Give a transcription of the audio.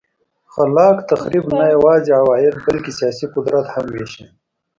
خلاق تخریب نه یوازې عواید بلکه سیاسي قدرت هم وېشه.